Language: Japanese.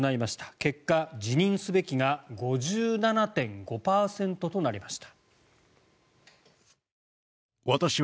結果、辞任すべきが５７．５％となりました。